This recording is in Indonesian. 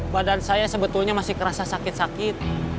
badan saya sebetulnya masih kerasa sakit sakit